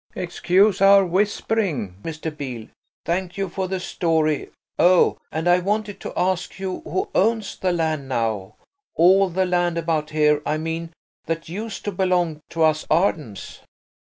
Excuse our whispering, Mr. Beale. Thank you for the story–oh, and I wanted to ask you who owns the land now–all the land about here, I mean, that used to belong to us Ardens?"